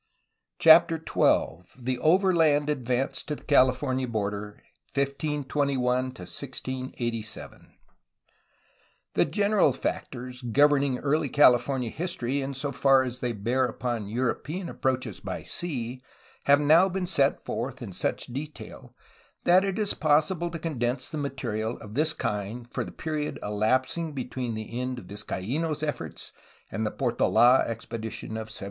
CHAPTER XII THE OVERLAND ADVANCE TO THE CALIFORNIA BORDER, 1521 1687 The general factors governing early California history in so far as they bear upon European approaches by sea have now been set forth in such detail that it is possible to con dense the material of this kind for the period elapsing between the end of Vizcaino's efforts and the Portold ex pedition of 1769.